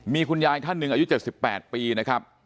มีคุณยายท่านหนึ่งอายุ๗๘ปีนะครับ